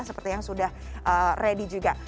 seperti yang sudah ready juga